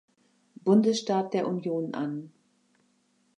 Bundesstaat der Union an.